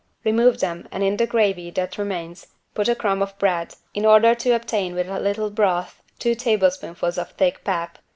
Remove them and in the gravy that remains put a crumb of bread, in order to obtain with a little broth two tablespoonfuls of thick pap.